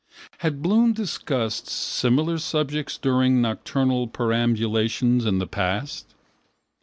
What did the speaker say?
Had Bloom discussed similar subjects during nocturnal perambulations in the past?